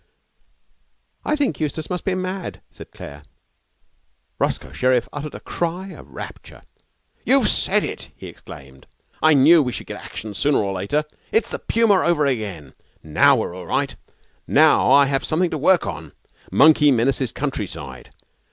'I think Eustace must be mad,' said Claire. Roscoe Sherriff uttered a cry of rapture. 'You've said it!' he exclaimed. 'I knew we should get action sooner or later. It's the puma over again. Now we are all right. Now I have something to work on. "Monkey Menaces Countryside."